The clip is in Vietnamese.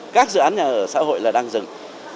các dự án nhà ở xã hội là đang dừng